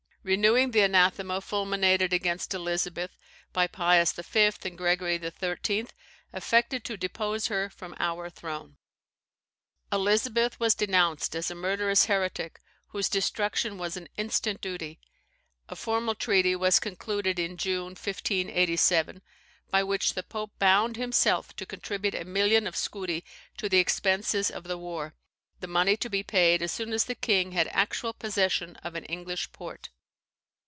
renewing the anathema fulminated against Elizabeth by Pius V. and Gregory XIII., affected to depose her from our throne. [See Mignet's Mary Queen of Scots vol. ii.] Elizabeth was denounced as a murderous heretic whose destruction was an instant duty. A formal treaty was concluded (in June, 1587), by which the pope bound himself to contribute a million of scudi to the expenses of the war; the money to be paid as soon as the king had actual possession of an English port.